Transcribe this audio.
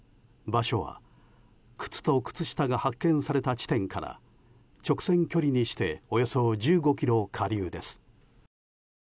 場所は、靴と靴下が発見された地点から直線距離にしておよそ１５ｋｍ下流です。